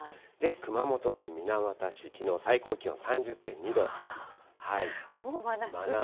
熊本県水俣市、きのう最高気温３０．２度。